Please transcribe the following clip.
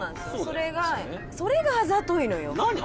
それがそれがあざといのよ